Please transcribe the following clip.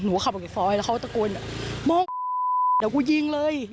หนูก็ขับอีกซ้อยแล้วเขาก็ตะโกนมองอย่ากูยิงเลย